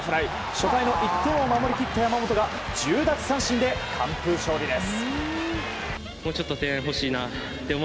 初回の１点を守り切った山本が１０奪三振で完封勝利です。